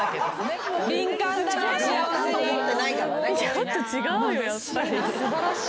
ちょっと違うよやっぱり。